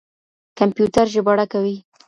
کمپيوټر ژباړه کوي.